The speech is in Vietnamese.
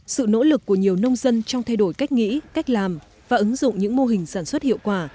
sự nỗ lực của nhiều nông dân trong thay đổi cách nghĩ cách làm và ứng dụng những mô hình sản xuất hiệu quả